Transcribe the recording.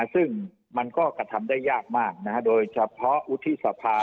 ซึ่งมันก็กระทำได้ยากมากโดยเฉพาะวุฒิสภา